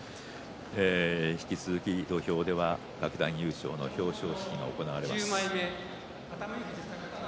引き続き土俵では各段優勝の表彰が行われます。